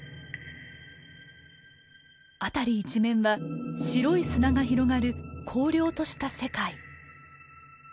辺り一面は白い砂が広がる荒涼とした世界。